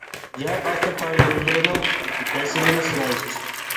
يەر ئاستى پار يوللىرىنىڭ بېسىمىنى سىنايسىز.